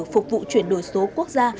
phục vụ chuyển đổi số quốc gia